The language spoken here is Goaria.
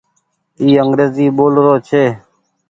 اي انگريزي ٻول رو ڇي۔